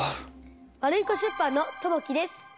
ワルイコ出版のともきです。